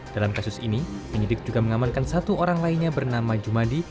dalam kasus ini penyidik juga mengamankan satu orang lainnya bernama jumadi